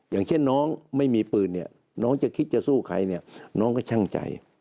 อย่างเช่นน้องไม่มีปืนเนี่ยน้องจะคิดจะสู้ใครเนี่ยน้องก็ช่างใจ